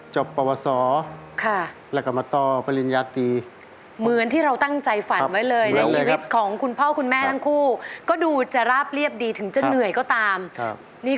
จบปวศลากมต่อปริญญาตรี